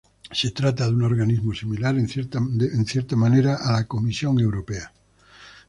Se trata de un organismo similar en cierta manera a la Comisión Europea.